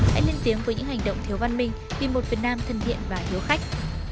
hãy lên tiếng với những hành động thiếu văn minh vì một việt nam thân thiện và hiếu khách